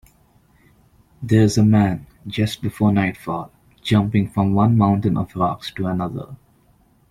There is a man, just before nightfall, jumping from one mountain of rocks to another.